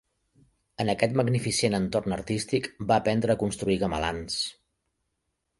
En aquest magnificent entorn artístic va aprendre a construir gamelans.